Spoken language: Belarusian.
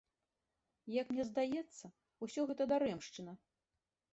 Як мне здаецца, усё гэта дарэмшчына.